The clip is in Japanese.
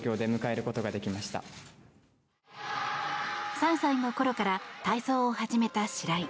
３歳のころから体操を始めた白井。